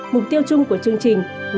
mục tiêu chung của chương trình